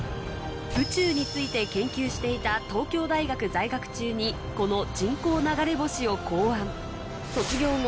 宇宙について研究していた東京大学在学中にこの人工流れ星を考案卒業後